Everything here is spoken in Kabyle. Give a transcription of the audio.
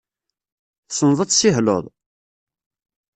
Tessneḍ ad tessihleḍ?